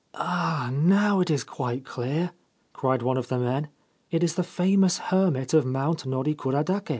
' Ah, now it is quite clear !' cried one of the men. c It is the famous hermit of Mount Norikuradake.'